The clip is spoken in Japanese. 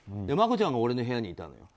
マコちゃんが俺の部屋にいたの。